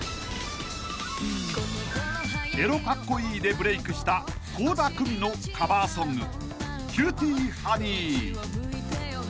［エロカッコイイでブレークした倖田來未のカバーソング『キューティーハニー』］